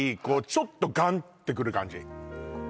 こうちょっとガンってくる感じ